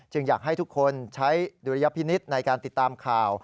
อยากให้ทุกคนใช้ดุลยพินิษฐ์ในการติดตามข่าว